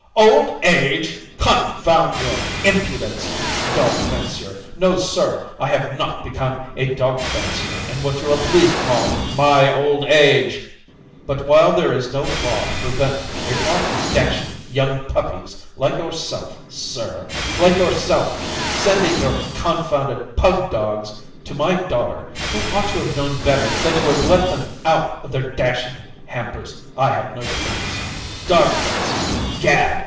"Old age! Confound your impudence! Dog fancier! No, sir! I have not become a dog fancier in what you are pleased to call my old age! But while there is no law to prevent a lot of dashed young puppies like yourself, sir like yourself sending your confounded pug dogs to my daughter, who ought to have known better than to have let them out of their dashed hampers, I have no defence. "Dog fancier! Gad!